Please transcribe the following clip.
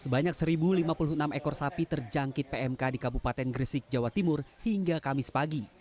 sebanyak satu lima puluh enam ekor sapi terjangkit pmk di kabupaten gresik jawa timur hingga kamis pagi